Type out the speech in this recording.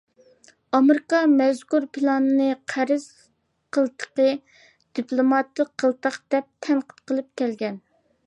ئامېرىكا مەزكۇر پىلاننى «قەرز قىلتىقى»،«دىپلوماتىك قىلتاق»دەپ تەنقىد قىلىپ كەلگەن.